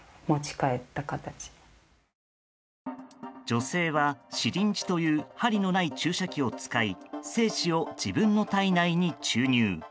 女性はシリンジという針のない注射器を使い精子を自分の体内に注入。